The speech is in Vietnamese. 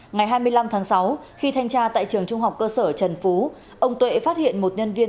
ngày hai mươi năm tháng sáu khi thanh tra tại trường trung học cơ sở trần phú ông tuệ phát hiện một nhân viên